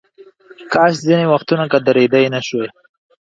کاش ځینې وختونه که درېدای نشوای.